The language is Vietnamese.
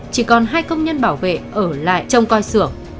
chỉ còn hai công nhân bảo vệ ở lại trong coi xưởng